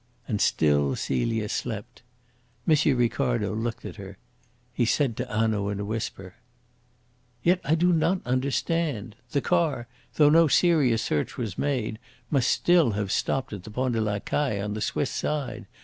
And still Celia slept. M. Ricardo looked at her. He said to Hanaud in a whisper: "Yet I do not understand. The car, though no serious search was made, must still have stopped at the Pont de La Caille on the Swiss side.